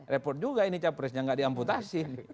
repot juga ini capresnya nggak diamputasi